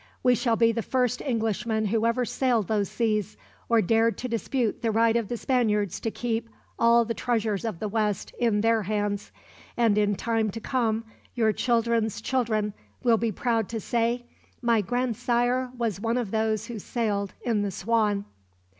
We shall be the first Englishmen who ever sailed those seas, or dared to dispute the right of the Spaniards to keep all the treasures of the west in their hands; and in time to come your children's children will be proud to say, 'My grandsire was one of those who sailed in the Swan.'"